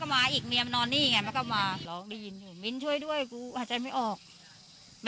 ก็ไม่ได้มีสัญญาณที่จะแบบ